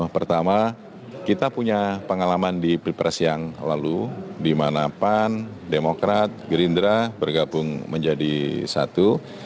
pertama kita punya pengalaman di pilpres yang lalu di mana pan demokrat gerindra bergabung menjadi satu